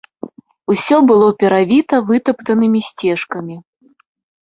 Усё было перавіта вытаптанымі сцежкамі.